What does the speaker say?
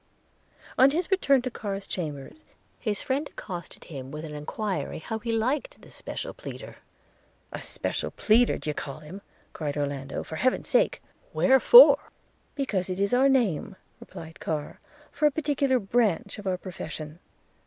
On his return to Carr's chambers, his friend accosted him with an enquiry how he liked the special pleader? – 'A special pleader d'ye call him?' cried Orlando; 'for Heaven's sake, wherefore?' 'Because it is our name,' replied Carr, 'for a particular branch of our profession.'